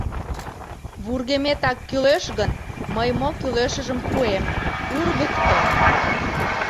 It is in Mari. — Вургеметак кӱлеш гын, мый мо кӱлешыжым пуэм — ургыкто.